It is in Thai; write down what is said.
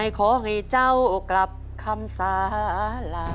ขอให้เจ้ากลับคำสารา